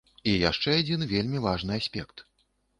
І яшчэ адзін вельмі важны аспект.